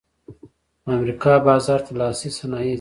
د امریکا بازار ته لاسي صنایع ځي